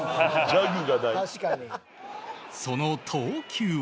その投球は